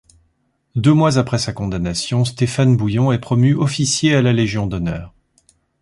Deux mois après sa condamnation, Stéphane Bouillon est promu officier à la légion d'honneur.